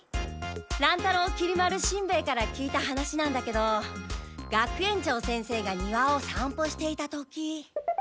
乱太郎きり丸しんべヱから聞いた話なんだけど学園長先生が庭をさんぽしていた時。